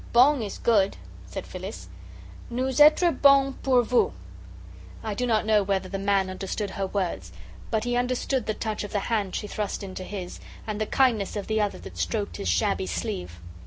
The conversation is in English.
"Bong is 'good,'" said Phyllis. "Nous etre bong pour vous." I do not know whether the man understood her words, but he understood the touch of the hand she thrust into his, and the kindness of the other hand that stroked his shabby sleeve.